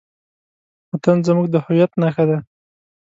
وطن زموږ د هویت نښه ده.